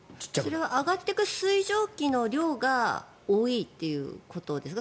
それは上がっていく水蒸気の量が多いということですか。